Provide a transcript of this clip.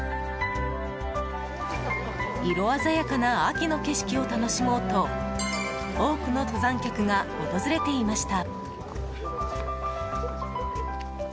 色鮮やかな秋の景色を楽しもうと多くの登山客が訪れていました。